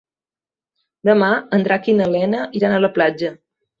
Demà en Drac i na Lena iran a la platja.